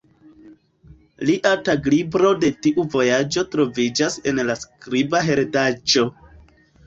Lia taglibro de tiu vojaĝo troviĝas en la skriba heredaĵo.